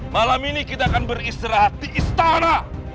malam ini kita akan beristirahat di istana